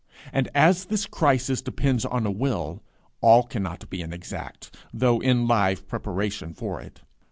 And as this crisis depends on a will, all cannot be in exact, though in live preparation for it.